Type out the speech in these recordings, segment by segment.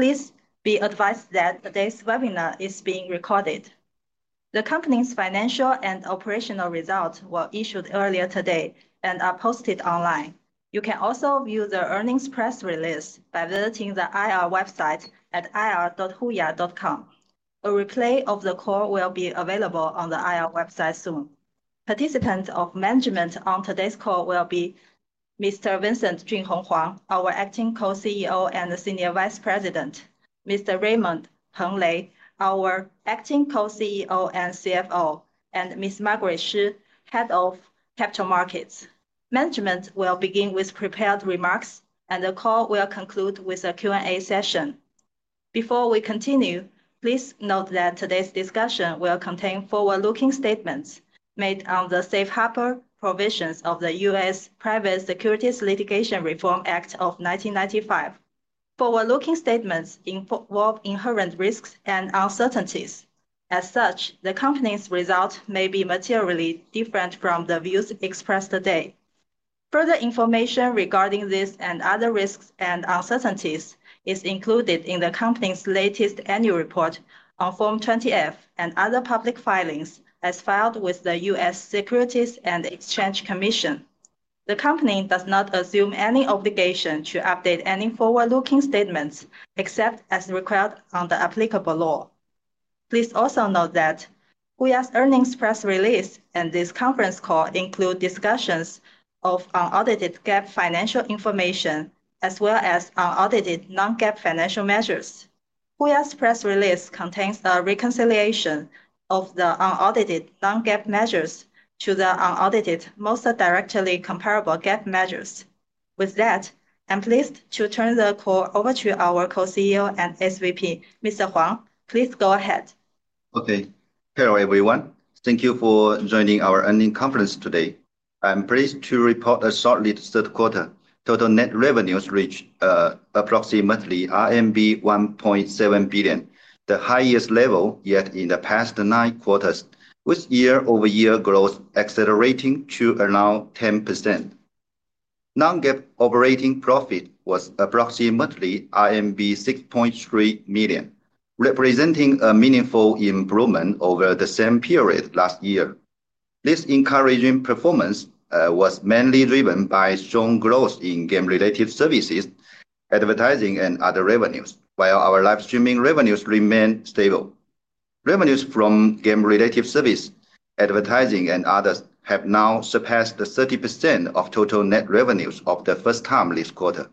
Please be advised that today’s webcast is being recorded. HUYA’s financial and operational results were issued earlier today and are available online, including the earnings press release on the IR website at ir.huya.com. Management participating on today’s call includes Mr. Vincent Junhong Huang, Acting Co-CEO and SVP, Mr. Raymond Peng Lei, Acting Co-CEO and CFO, and Ms. Marguerite Xu, Head of Capital Markets. The call will begin with prepared remarks followed by a Q&A session. Please note that today’s discussion includes forward-looking statements under the U.S. Private Securities Litigation Reform Act of 1995, involving risks and uncertainties. Actual results may differ materially. Additional information on risks is included in HUYA’s latest Form 20-F and other public filings. The company assumes no obligation to update forward-looking statements, except as required by law. HUYA’s press release and this call include unaudited GAAP and non-GAAP measures, with reconciliations provided. I now turn the call over to Co-CEO and SVP, Mr. Huang. Please proceed. As such, the company's result may be materially different from the views expressed today. Further information regarding this and other risks and uncertainties is included in the company's latest annual report on Form 20-F and other public filings as filed with the U.S. Securities and Exchange Commission. The company does not assume any obligation to update any forward-looking statements except as required under applicable law. Please also note that HUYA's earnings press release and this conference call include discussions of unaudited GAAP financial information as well as unaudited non-GAAP financial measures. HUYA's press release contains a reconciliation of the unaudited non-GAAP measures to the unaudited most directly comparable GAAP measures. With that, I'm pleased to turn the call over to our Co-CEO and SVP, Mr. Huang. Please go ahead. Hello everyone, and thank you for joining our earnings call. I’m pleased to report that total net revenues for Q3 reached approximately RMB 1.7 billion, the highest level in the past nine quarters, with year-over-year growth of about 10%. Non-GAAP operating profit was approximately RMB 6.3 million, reflecting a meaningful improvement over the same period last year. This encouraging performance was mainly driven by strong growth in game-related services, advertising, and other revenues, while our live streaming revenues remained stable. Revenues from game-related services, advertising, and others have now surpassed 30% of total net revenues for the first time this quarter.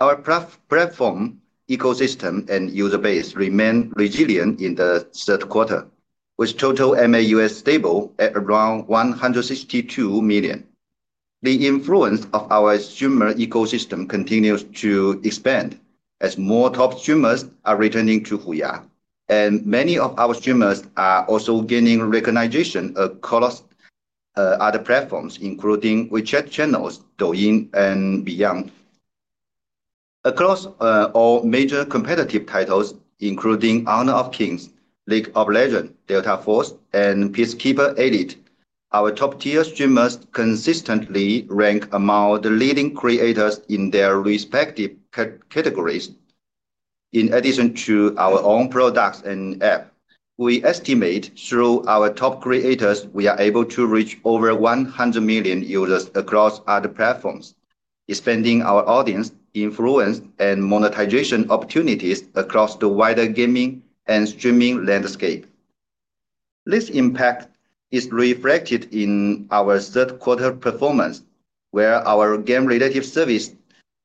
Our platform ecosystem and user base remained resilient in the third quarter, with total MAUs stable at around 162 million. The influence of our streamer ecosystem continues to expand as more top streamers are returning to HUYA, and many of our streamers are also gaining recognition across other platforms, including WeChat channels, Douyin, and beyond. Across all major competitive titles, including Honor of Kings, League of Legends, Delta Force, and Peacekeeper Elite, our top-tier streamers consistently rank among the leading creators in their respective categories. In addition to our own products and app, we estimate through our top creators we are able to reach over 100 million users across other platforms, expanding our audience influence and monetization opportunities across the wider gaming and streaming landscape. This impact is reflected in our third-quarter performance, where our game-related service,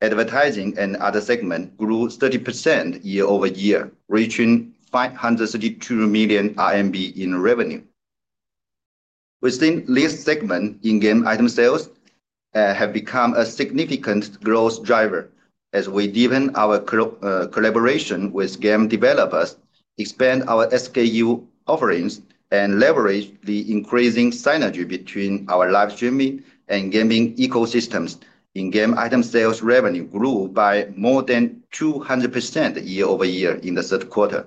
advertising, and other segments grew 30% year-over-year, reaching CNY 532 million in revenue. We think this segment in game item sales has become a significant growth driver as we deepen our collaboration with game developers, expand our SKU offerings, and leverage the increasing synergy between our live streaming and gaming ecosystems. In game item sales revenue grew by more than 200% year-over-year in the third quarter.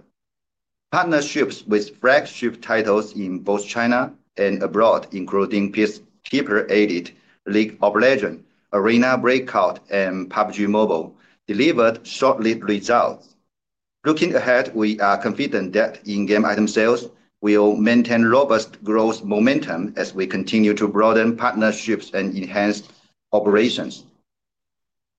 Partnerships with flagship titles in both China and abroad, including Peacekeeper Elite, League of Legends, Arena Breakout, and PUBG Mobile, delivered short-lived results. Looking ahead, we are confident that in game item sales will maintain robust growth momentum as we continue to broaden partnerships and enhance operations.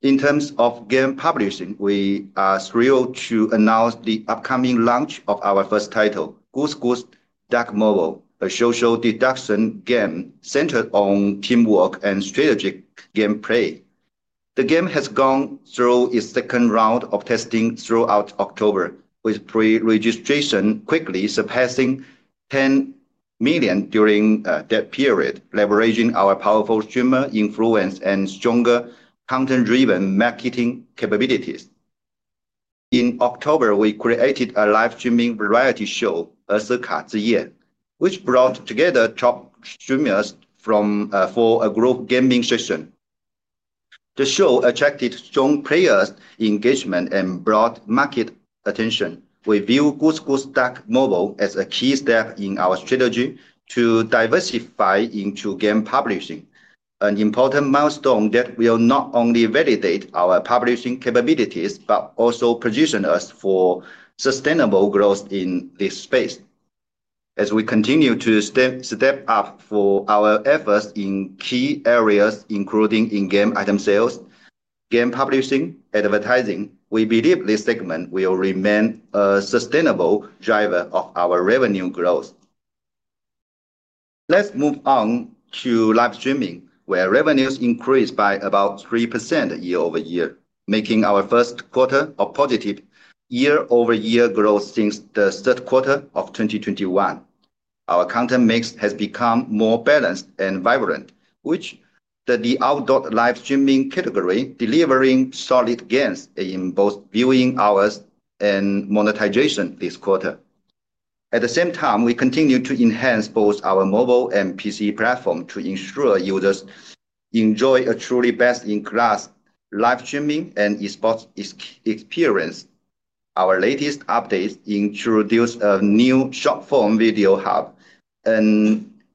In terms of game publishing, we are thrilled to announce the upcoming launch of our first title, Goose Goose Duck Mobile, a social deduction game centered on teamwork and strategic gameplay. The game has gone through its second round of testing throughout October, with pre-registration quickly surpassing 10 million during that period, leveraging our powerful streamer influence and stronger content-driven marketing capabilities. In October, we created a live streaming variety show, A SIKA ZIYE, which brought together top streamers for a group gaming session. The show attracted strong players' engagement and broad market attention. We view Goose Goose Duck Mobile as a key step in our strategy to diversify into game publishing, an important milestone that will not only validate our publishing capabilities but also position us for sustainable growth in this space. As we continue to step up our efforts in key areas, including in-game item sales, game publishing, and advertising, we believe this segment will remain a sustainable driver of our revenue growth. Let's move on to live streaming, where revenues increased by about 3% year-over-year, making our first quarter a positive year-over-year growth since the third quarter of 2021. Our content mix has become more balanced and vibrant, with the outdoor live streaming category delivering solid gains in both viewing hours and monetization this quarter. At the same time, we continue to enhance both our mobile and PC platform to ensure users enjoy a truly best-in-class live streaming and e-sports experience. Our latest updates introduce a new short-form video hub,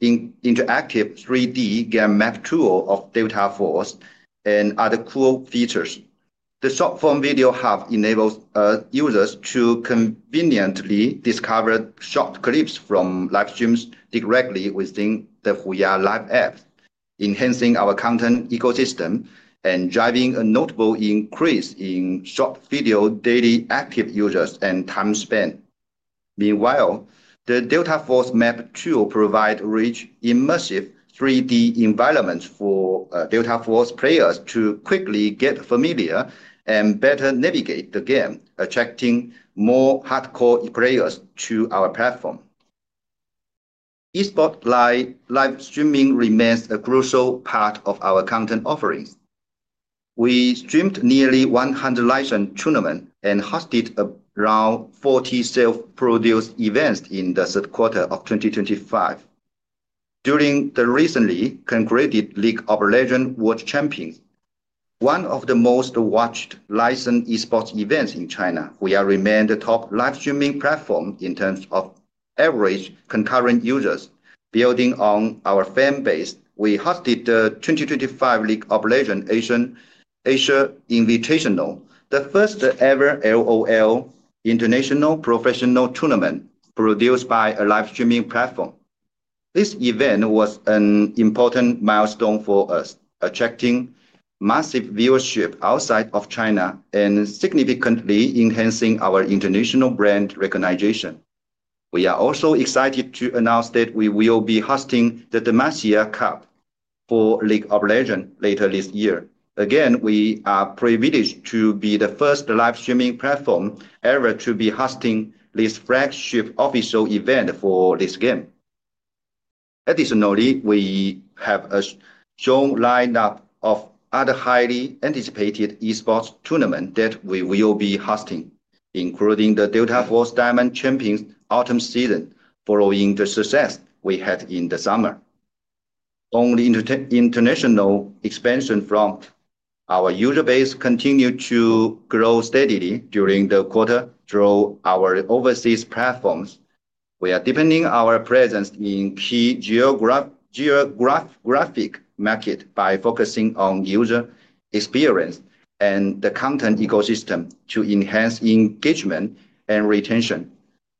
an interactive 3D game map tool of Delta Force, and other cool features. The short-form video hub enables users to conveniently discover short clips from live streams directly within the HUYA Live app, enhancing our content ecosystem and driving a notable increase in short video daily active users and time spent. Meanwhile, the Delta Force map tool provides rich, immersive 3D environments for Delta Force players to quickly get familiar and better navigate the game, attracting more hardcore players to our platform. E-sports live streaming remains a crucial part of our content offerings. We streamed nearly 100 live stream tournaments and hosted around 40 self-produced events in the third quarter of 2025. During the recently concluded League of Legends World Championships, one of the most-watched live stream e-sports events in China, HUYA remained the top live streaming platform in terms of average concurrent users. Building on our fan base, we hosted the 2025 League of Legends Asia Invitational, the first-ever LOL international professional tournament produced by a live streaming platform. This event was an important milestone for us, attracting massive viewership outside of China and significantly enhancing our international brand recognition. We are also excited to announce that we will be hosting the Demacia Cup for League of Legends later this year. Again, we are privileged to be the first live streaming platform ever to be hosting this flagship official event for this game. Additionally, we have a strong lineup of other highly anticipated e-sports tournaments that we will be hosting, including the Delta Force Diamond Champions Autumn season, following the success we had in the summer. On the international expansion front, our user base continued to grow steadily during the quarter through our overseas platforms. We are deepening our presence in key geographic markets by focusing on user experience and the content ecosystem to enhance engagement and retention.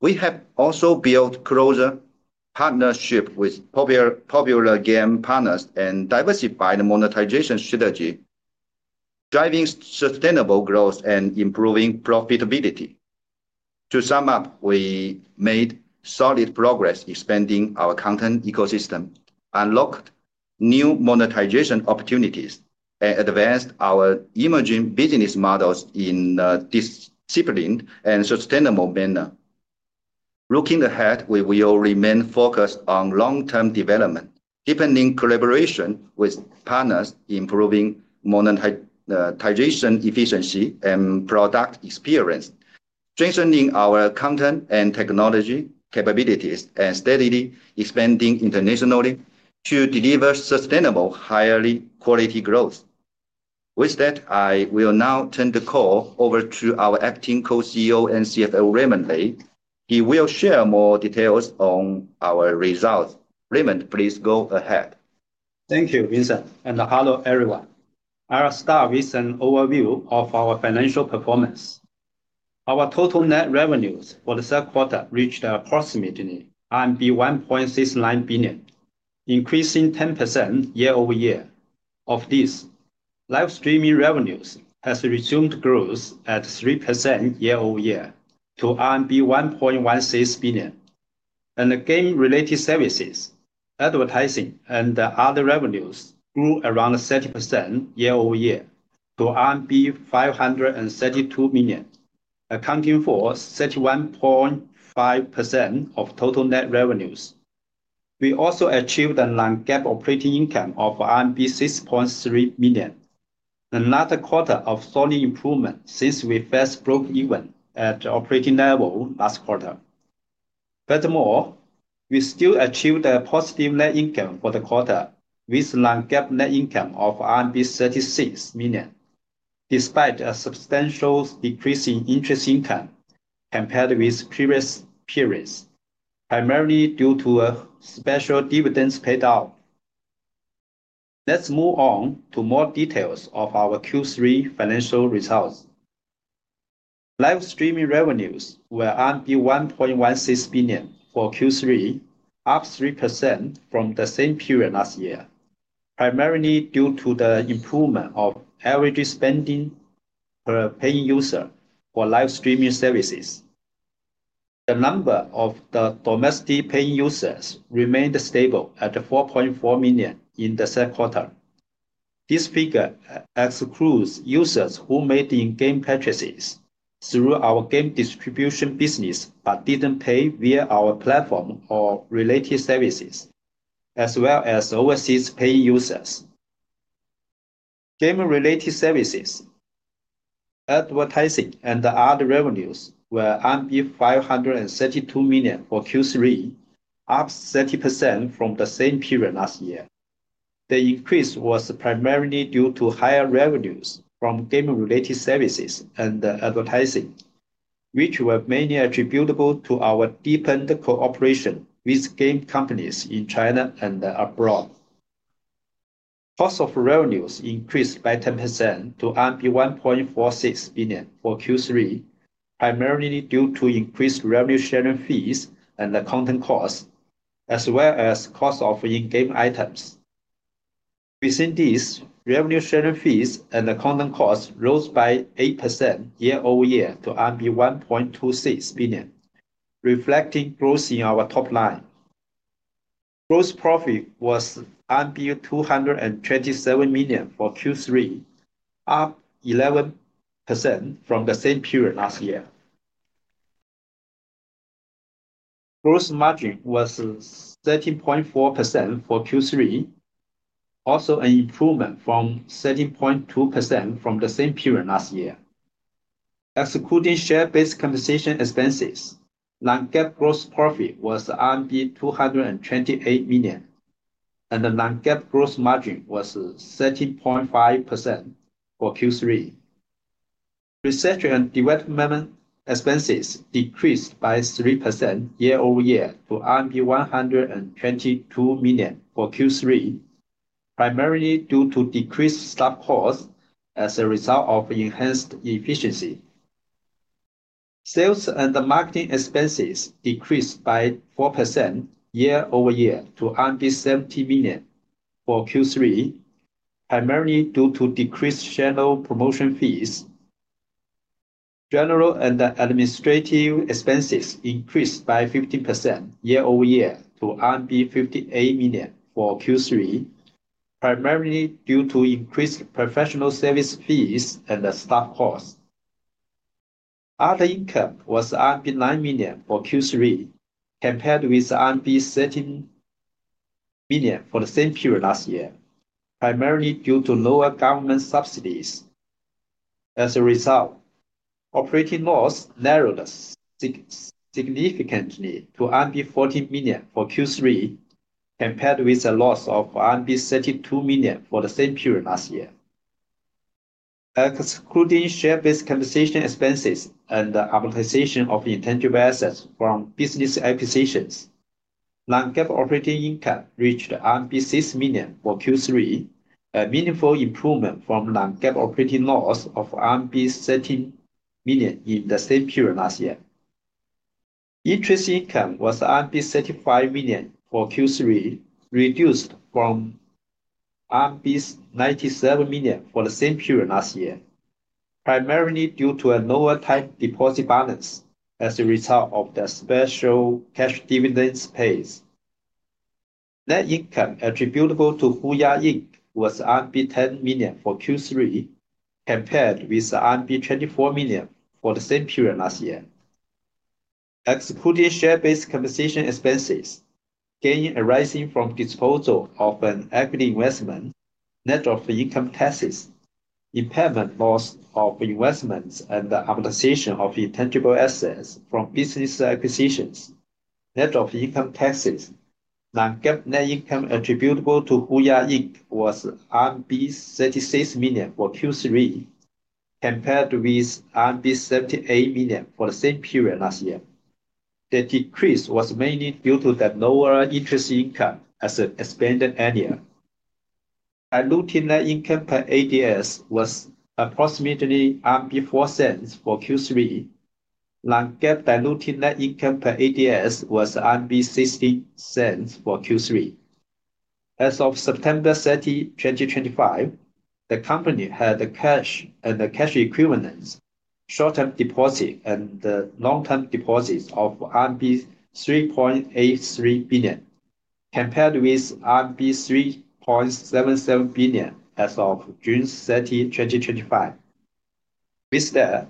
We have also built closer partnerships with popular game partners and diversified monetization strategies, driving sustainable growth and improving profitability. To sum up, we made solid progress expanding our content ecosystem, unlocked new monetization opportunities, and advanced our emerging business models in a disciplined and sustainable manner. Looking ahead, we will remain focused on long-term development, deepening collaboration with partners, improving monetization efficiency and product experience, strengthening our content and technology capabilities, and steadily expanding internationally to deliver sustainable, high quality growth. With that, I will now turn the call over to our Acting Co-CEO and CFO, Raymond Lei. He will share more details on our results. Raymond, please go ahead. Thank you, Vincent, and hello everyone. I'll start with an overview of our financial performance. Our total net revenues for the third quarter reached approximately RMB 1.69 billion, increasing 10% year-over-year. Of this, live streaming revenues have resumed growth at 3% year-over-year to RMB 1.16 billion, and game-related services, advertising, and other revenues grew around 30% year-over-year to RMB 532 million, accounting for 31.5% of total net revenues. We also achieved a non-GAAP operating income of RMB 6.3 million, another quarter of solid improvement since we first broke even at the operating level last quarter. Furthermore, we still achieved a positive net income for the quarter with non-GAAP net income of 36 million, despite a substantial decrease in interest income compared with previous periods, primarily due to a special dividends payout. Let's move on to more details of our Q3 financial results. Live streaming revenues were 1.16 billion for Q3, up 3% from the same period last year, primarily due to the improvement of average spending per paying user for live streaming services. The number of domestic paying users remained stable at 4.4 million in the third quarter. This figure excludes users who made in-game purchases through our game distribution business but did not pay via our platform or related services, as well as overseas paying users. Game-related services, advertising, and other revenues were 532 million for Q3, up 30% from the same period last year. The increase was primarily due to higher revenues from game-related services and advertising, which were mainly attributable to our deepened cooperation with game companies in China and abroad. Cost of revenues increased by 10% to RMB 1.46 billion for Q3, primarily due to increased revenue sharing fees and content costs, as well as cost of in-game items. Within this, revenue sharing fees and content costs rose by 8% year-over-year to RMB 1.26 billion, reflecting growth in our top line. Gross profit was 227 million for Q3, up 11% from the same period last year. Gross margin was 13.4% for Q3, also an improvement from 13.2% from the same period last year. Excluding share-based compensation expenses, non-GAAP gross profit was RMB 228 million, and the non-GAAP gross margin was 13.5% for Q3. Research and development expenses decreased by 3% year-over-year to RMB 122 million for Q3, primarily due to decreased staff costs as a result of enhanced efficiency. Sales and marketing expenses decreased by 4% year-over-year to 70 million for Q3, primarily due to decreased shadow promotion fees. General and administrative expenses increased by 15% year-over-year to RMB 58 million for Q3, primarily due to increased professional service fees and staff costs. Other income was RMB 9 million for Q3, compared with RMB 13 million for the same period last year, primarily due to lower government subsidies. As a result, operating loss narrowed significantly to RMB 40 million for Q3, compared with a loss of RMB 32 million for the same period last year. Excluding share-based compensation expenses and the amortization of intangible assets from business acquisitions, non-GAAP operating income reached RMB 6 million for Q3, a meaningful improvement from non-GAAP operating loss of RMB 13 million in the same period last year. Interest income was RMB 35 million for Q3, reduced from RMB 97 million for the same period last year, primarily due to a lower time deposit balance as a result of the special cash dividends paid. Net income attributable to HUYA was RMB 10 million for Q3, compared with RMB 24 million for the same period last year. Excluding share-based compensation expenses, gain arising from disposal of an equity investment, net of income taxes, impairment loss of investments, and amortization of intangible assets from business acquisitions, net of income taxes, non-GAAP net income attributable to HUYA was RMB 36 million for Q3, compared with RMB 78 million for the same period last year. The decrease was mainly due to the lower interest income as an expanded area. Diluted net income per ADS was approximately 0.04 for Q3. Non-GAAP diluted net income per ADS was 0.16 for Q3. As of September 30, 2025, the company had cash and cash equivalents, short-term deposit and long-term deposits of RMB 3.83 billion, compared with RMB 3.77 billion as of June 30, 2025. With that,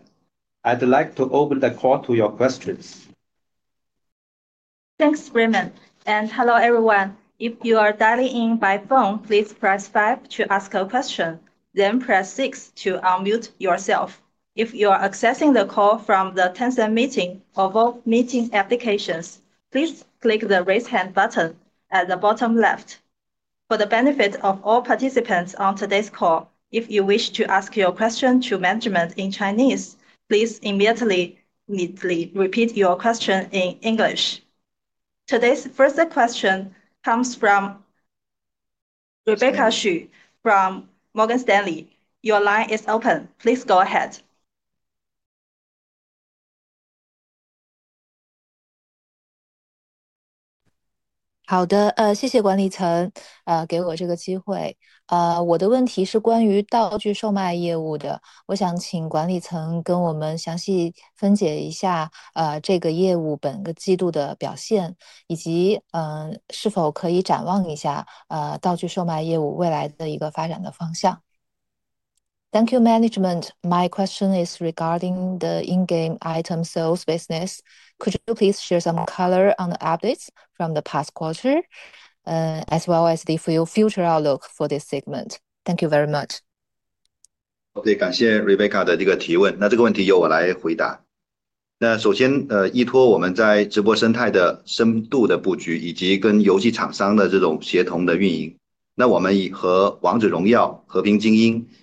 I'd like to open the call to your questions. Thanks, Raymond. Hello everyone. If you are dialing in by phone, please press 5 to ask a question, then press 6 to unmute yourself. If you are accessing the call from the Tencent Meeting or VoLTE Meeting applications, please click the raise hand button at the bottom left. For the benefit of all participants on today's call, if you wish to ask your question to management in Chinese, please immediately repeat your question in English. Today's first question comes from Rebecca Xun from Morgan Stanley. Your line is open. Please go ahead. Thank you, management. My question is regarding the in-game item sales business. Could you please share some color on the updates from the past quarter, as well as the future outlook for this segment? Thank you very much. 感谢 Rebecca 的这个提问。那这个问题由我来回答。那首先，依托我们在直播生态的深度的布局，以及跟游戏厂商的这种协同的运营，那我们和王者荣耀、和平精英、英雄联盟，还有像暗区突围和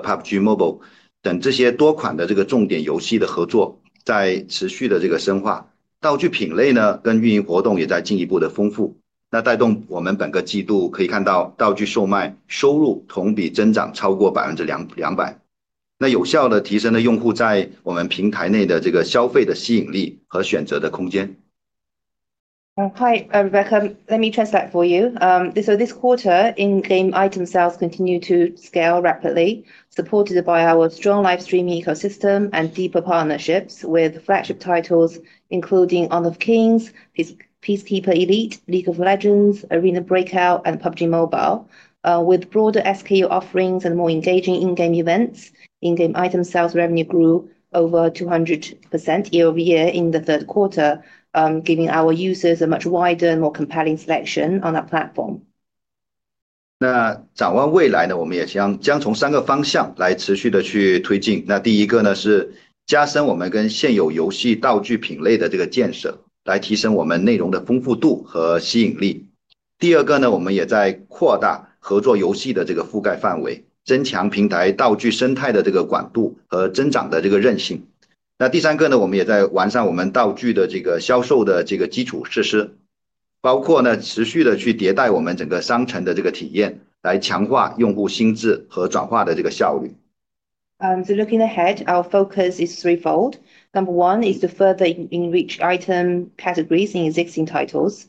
PUBG Mobile 等这些多款的这个重点游戏的合作，在持续的这个深化。道具品类呢，跟运营活动也在进一步的丰富。那带动我们本个季度可以看到道具售卖收入同比增长超过 200%。那有效的提升了用户在我们平台内的这个消费的吸引力和选择的空间。Hi, Rebecca. Let me translate for you. This quarter, in-game item sales continue to scale rapidly, supported by our strong live streaming ecosystem and deeper partnerships with flagship titles, including Honor of Kings, Peacekeeper Elite, League of Legends, Arena Breakout, and PUBG Mobile. With broader SKU offerings and more engaging in-game events, in-game item sales revenue grew over 200% year-over-year in the third quarter, giving our users a much wider and more compelling selection on our platform. 那展望未来呢，我们也将从三个方向来持续的去推进。那第一个呢，是加深我们跟现有游戏道具品类的这个建设，来提升我们内容的丰富度和吸引力。第二个呢，我们也在扩大合作游戏的这个覆盖范围，增强平台道具生态的这个广度和增长的这个韧性。那第三个呢，我们也在完善我们道具的这个销售的这个基础设施，包括呢，持续的去迭代我们整个商城的这个体验，来强化用户心智和转化的这个效率。Looking ahead, our focus is threefold. Number one is to further enrich item categories in existing titles.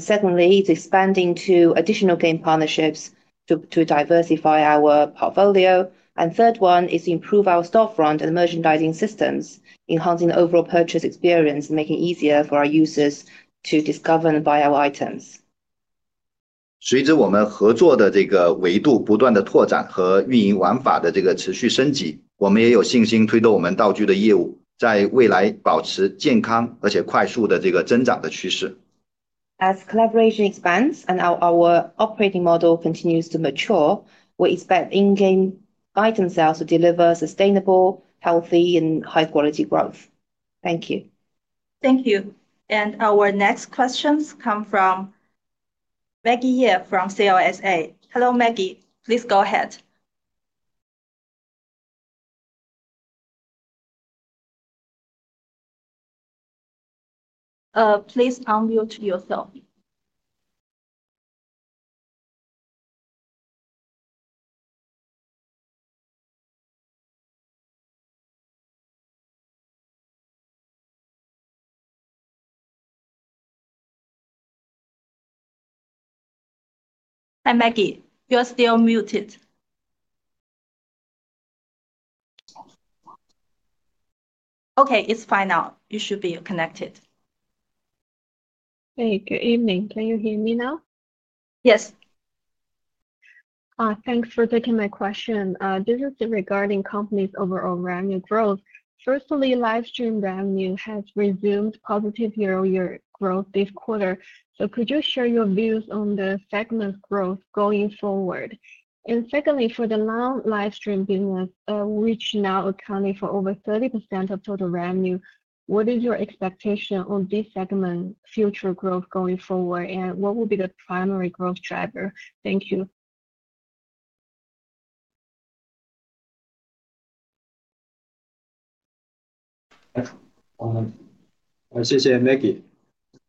Secondly, it's expanding to additional game partnerships to diversify our portfolio. The third one is to improve our storefront and merchandising systems, enhancing the overall purchase experience and making it easier for our users to discover and buy our items. 随着我们合作的这个维度不断的拓展和运营玩法的这个持续升级，我们也有信心推动我们道具的业务在未来保持健康而且快速的这个增长的趋势。As collaboration expands and our operating model continues to mature, we expect in-game item sales to deliver sustainable, healthy, and high-quality growth. Thank you. Thank you. Our next questions come from Maggie Ye from CLSA. Hello, Maggie. Please go ahead. Please unmute yourself. Hi, Maggie. You are still muted. Okay, it is fine now. You should be connected. Hey, good evening. Can you hear me now? Yes. Thanks for taking my question. This is regarding the company's overall revenue growth. Firstly, live stream revenue has resumed positive year-over-year growth this quarter. Could you share your views on the segment's growth going forward? Secondly, for the non-live stream business, which now accounts for over 30% of total revenue, what is your expectation on this segment's future growth going forward, and what will be the primary growth driver? Thank you. 谢谢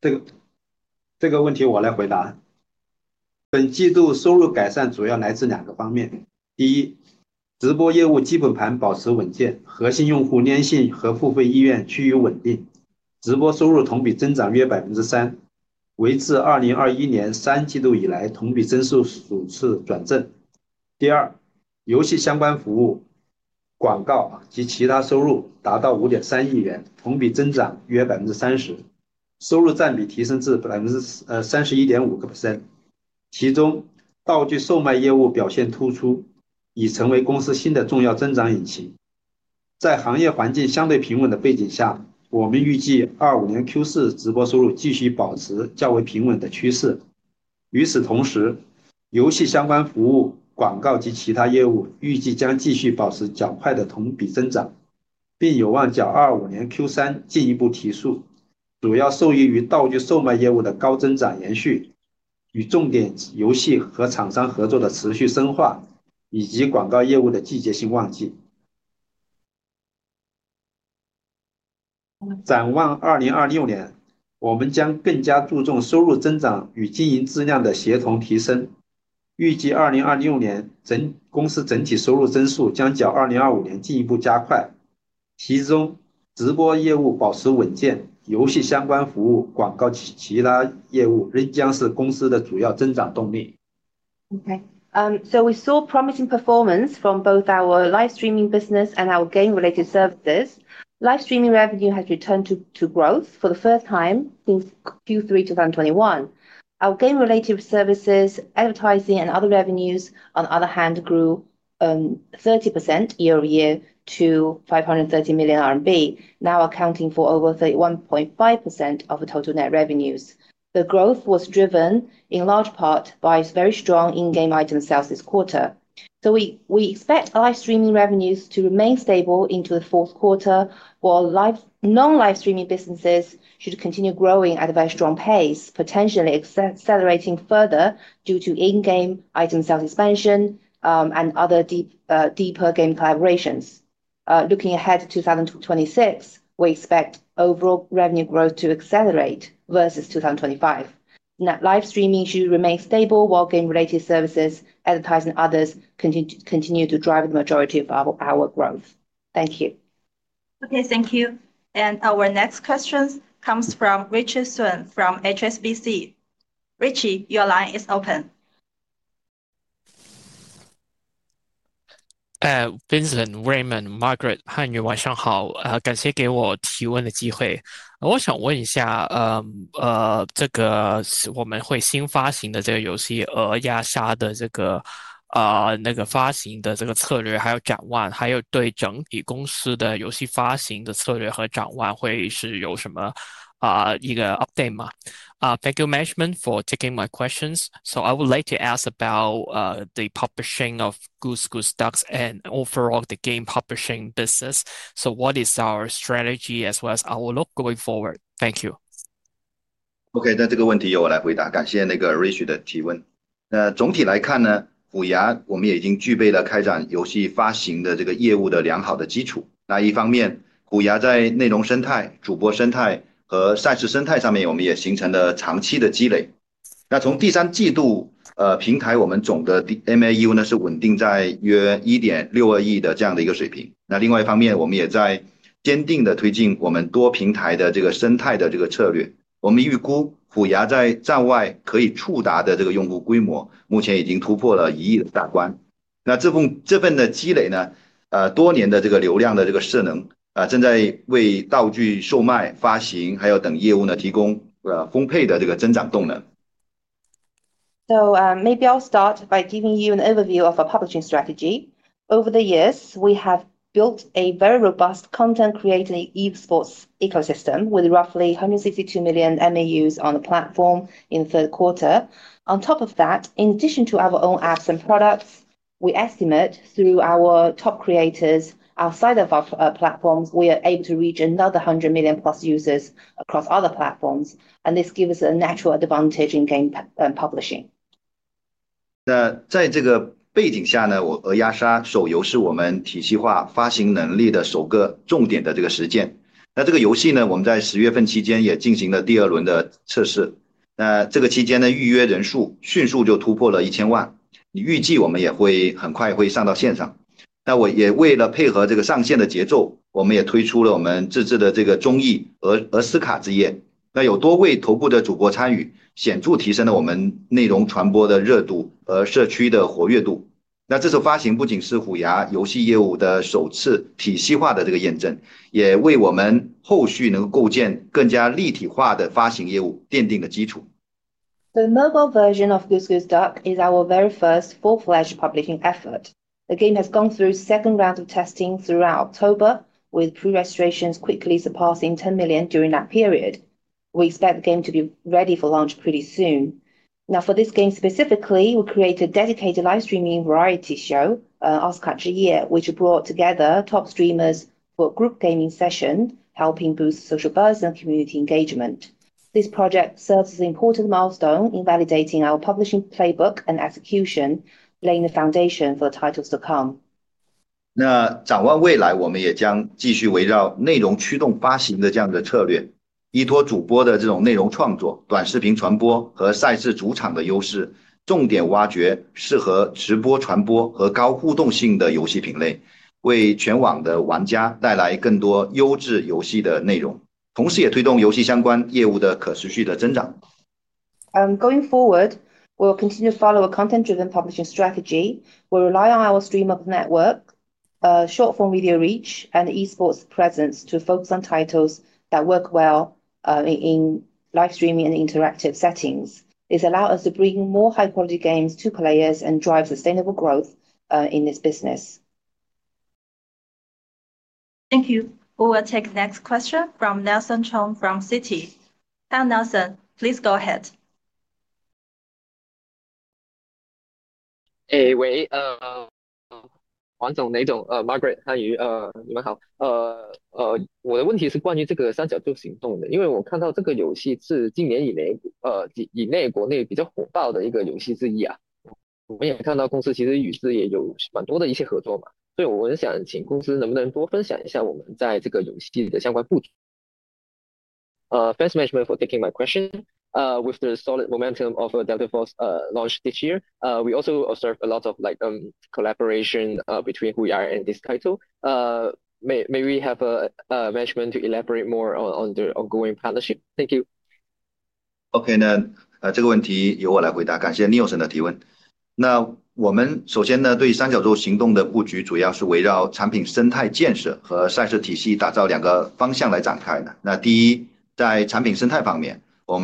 Maggie。这个问题我来回答。本季度收入改善主要来自两个方面。第一，直播业务基本盘保持稳健，核心用户粘性和付费意愿趋于稳定，直播收入同比增长约 3%，为自 2021 年三季度以来同比增速首次转正。第二，游戏相关服务、广告及其他收入达到 RMB 530 million，同比增长约 30%，收入占比提升至 31.5%。其中，道具售卖业务表现突出，已成为公司新的重要增长引擎。在行业环境相对平稳的背景下，我们预计 2025年 Q4 直播收入继续保持较为平稳的趋势。与此同时，游戏相关服务、广告及其他业务预计将继续保持较快的同比增长，并有望较 2025年 Q3 进一步提速，主要受益于道具售卖业务的高增长延续，与重点游戏和厂商合作的持续深化，以及广告业务的季节性旺季。展望 2026 年，我们将更加注重收入增长与经营质量的协同提升，预计 2026 年公司整体收入增速将较 2025 年进一步加快。其中，直播业务保持稳健，游戏相关服务、广告及其他业务仍将是公司的主要增长动力。Okay. We saw promising performance from both our live streaming business and our game-related services. Live streaming revenue has returned to growth for the first time since Q3 2021. Our game-related services, advertising, and other revenues, on the other hand, grew 30% year-over-year to 530 million RMB, now accounting for over 31.5% of the total net revenues. The growth was driven in large part by very strong in-game item sales this quarter. We expect live streaming revenues to remain stable into the fourth quarter, while non-live streaming businesses should continue growing at a very strong pace, potentially accelerating further due to in-game item sales expansion and other deeper game collaborations. Looking ahead to 2026, we expect overall revenue growth to accelerate versus 2025. Live streaming should remain stable, while game-related services, advertising, and others continue to drive the majority of our growth. Thank you. Okay, thank you. Our next question comes from Ritchie Sun from HSBC. Ritchie, your line is open. 呃，Vincent Raymond Margaret 汉语晚上好，呃，感谢给我提问的机会。我想问一下，呃，这个我们会新发行的这个游戏《Goose Goose Duck Mobile》的这个，呃，那个发行的这个策略，还有展望，还有对整体公司的游戏发行的策略和展望会是有什么，呃，一个 update 吗？ Thank you, management, for taking my questions. I would like to ask about the publishing of Goose Goose Duck Mobile and overall the game publishing business. What is our strategy as well as our outlook going forward? Thank you. 那这个问题由我来回答。感谢那个 Richard 的提问。那总体来看呢，虎牙我们也已经具备了开展游戏发行的这个业务的良好的基础。那一方面，虎牙在内容生态、主播生态和赛事生态上面，我们也形成了长期的积累。那从第三季度，呃，平台我们总的 MAU 呢，是稳定在约 162 million 的这样的一个水平。那另外一方面，我们也在坚定地推进我们多平台的这个生态的这个策略。我们预估虎牙在站外可以触达的这个用户规模，目前已经突破了 100 million 的大关。那这份，这份的积累呢，呃，多年的这个流量的这个势能，啊，正在为道具售卖、发行，还有等业务呢，提供，呃，丰沛的这个增长动能。Maybe I'll start by giving you an overview of our publishing strategy. Over the years, we have built a very robust content-creating e-sports ecosystem with roughly 162 million MAUs on the platform in the third quarter. On top of that, in addition to our own apps and products, we estimate through our top creators outside of our platforms, we are able to reach another 100 million plus users across other platforms, and this gives us a natural advantage in game publishing. 在这个背景下呢，我《鹅鸭杀》手游是我们体系化发行能力的首个重点的这个实践。那这个游戏呢，我们在 10 月份期间也进行了第二轮的测试。那这个期间呢，预约人数迅速就突破了 10 million。你预计我们也会很快会上到线上。那我也为了配合这个上线的节奏，我们也推出了我们自制的这个综艺《鹅斯卡之夜》。那有多位头部的主播参与，显著提升了我们内容传播的热度和社区的活跃度。那这次发行不仅是虎牙游戏业务的首次体系化的这个验证，也为我们后续能够构建更加立体化的发行业务奠定了基础。The mobile version of Goose Goose Duck is our very first full-fledged publishing effort. The game has gone through second rounds of testing throughout October, with pre-registrations quickly surpassing 10 million during that period. We expect the game to be ready for launch pretty soon. Now, for this game specifically, we created a dedicated live streaming variety show, Oskar Xin Yu, which brought together top streamers for group gaming sessions, helping boost social buzz and community engagement. This project serves as an important milestone in validating our publishing playbook and execution, laying the foundation for the titles to come. 那展望未来，我们也将继续围绕内容驱动发行的这样的策略，依托主播的这种内容创作、短视频传播和赛事主场的优势，重点挖掘适合直播传播和高互动性的游戏品类，为全网的玩家带来更多优质游戏的内容，同时也推动游戏相关业务的可持续的增长。Going forward, we'll continue to follow a content-driven publishing strategy. We'll rely on our streamer network, short-form video reach, and e-sports presence to focus on titles that work well in live streaming and interactive settings. This allows us to bring more high-quality games to players and drive sustainable growth in this business. Thank you. We will take the next question from Nelson Chong from CT. Hi, Nelson, please go ahead. 哎，喂，呃，王总、雷总、呃，Marguerite 汉语，呃，你们好，呃，我的问题是关于这个三角洲行动的，因为我看到这个游戏是近年以内，呃，国内比较火爆的一个游戏之一，啊，我们也看到公司其实与之也有蛮多的一些合作嘛，所以我很想请公司能不能多分享一下我们在这个游戏的相关部署。Thanks, management, for taking my question. With the solid momentum of Delta Force, launch this year, we also observe a lot of, like, collaboration, between HUYA and this title. May we have management elaborate more on the ongoing partnership? Thank you. 那，呃，这个问题由我来回答。感谢 Neil 先生的提问。那我们首先呢，对三角洲行动的布局主要是围绕产品生态建设和赛事体系打造两个方向来展开的。那第一，在产品生态方面，我们也在最近最新的版本中上线了三角洲行动的这个跑图工具，来帮助玩家更快地熟悉战术打法和游戏的节奏。那这个功能目前正在吸引越来越多的硬核的玩家在平台内来进行深度的这个使用，并将逐步成为游戏相关增值服务带来新的流量入口，来形成内容服务商业化的这种生态闭环。I will focus on Delta Force. It's about building a vibrant community engagement and a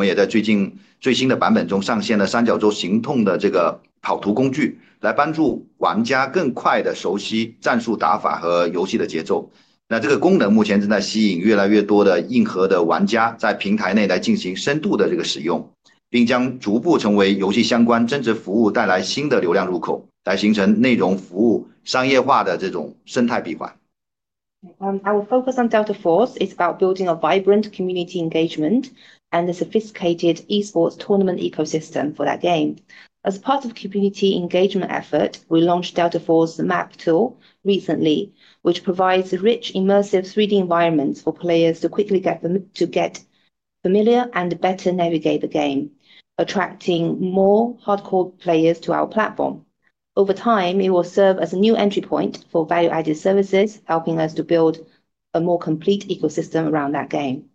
sophisticated e-sports tournament ecosystem for that game. As part of the community engagement effort, we launched Delta Force Map Tool recently, which provides rich, immersive 3D environments for players to quickly get familiar and better navigate the game, attracting more hardcore players to our platform. Over time, it will serve as a new entry point for value-added services, helping us to build a more complete ecosystem around that game.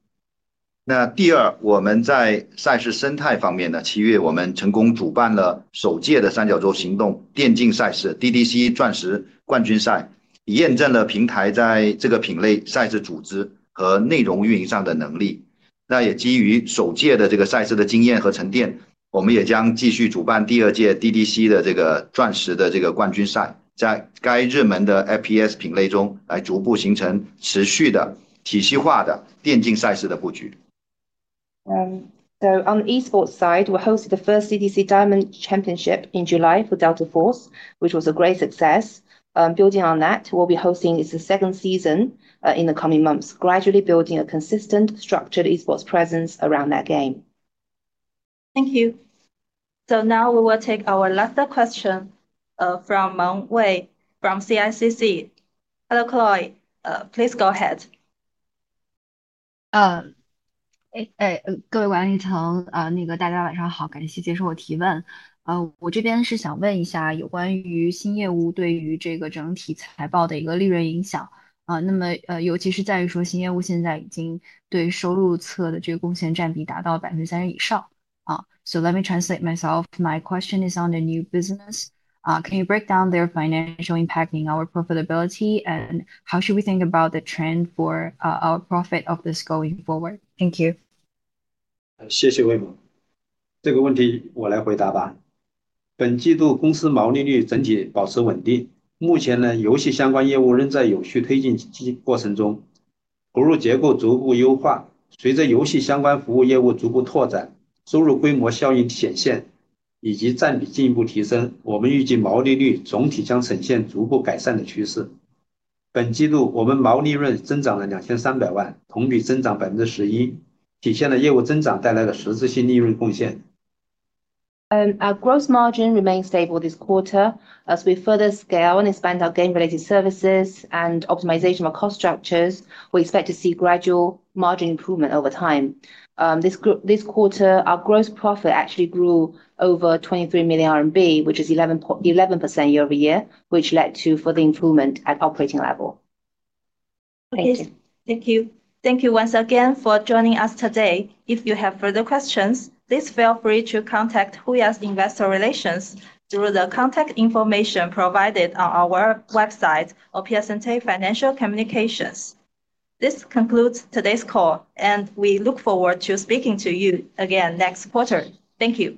那第二，我们在赛事生态方面呢，7月我们成功主办了首届的三角洲行动电竞赛事 DDC 钻石冠军赛，验证了平台在这个品类赛事组织和内容运营上的能力。那也基于首届的这个赛事的经验和沉淀，我们也将继续主办第二届 DDC 的这个钻石的这个冠军赛，在该热门的 FPS 品类中来逐步形成持续的体系化的电竞赛事的布局。On the e-sports side, we hosted the first DDC Diamond Championship in July for Delta Force, which was a great success. Building on that, we'll be hosting the second season in the coming months, gradually building a consistent, structured e-sports presence around that game. Thank you. Now we will take our last question, from Meng Wei from CICC. Hello, Chloe, please go ahead. reached above 30%. So let me translate myself. My question is on the new business. Can you break down their financial impact in our profitability, and how should we think about the trend for our profit of this going forward? Thank you. 谢谢魏某，这个问题我来回答吧。本季度公司毛利率整体保持稳定，目前呢，游戏相关业务仍在有序推进过程中，投入结构逐步优化。随着游戏相关服务业务逐步拓展，收入规模效应显现，以及占比进一步提升，我们预计毛利率总体将呈现逐步改善的趋势。本季度我们毛利润增长了 RMB 23 million，同比增长 11%，体现了业务增长带来的实质性利润贡献。Our gross margin remains stable this quarter. As we further scale and expand our game-related services and optimization of our cost structures, we expect to see gradual margin improvement over time. This quarter, our gross profit actually grew over 23 million RMB, which is 11% year-over-year, which led to further improvement at operating level. Okay, thank you. Thank you once again for joining us today. If you have further questions, please feel free to contact HUYA's investor relations through the contact information provided on our website or PS&T Financial Communications. This concludes today's call, and we look forward to speaking to you again next quarter. Thank you.